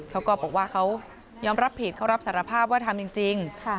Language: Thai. เขาก็บอกว่าเขายอมรับผิดเขารับสารภาพว่าทำจริง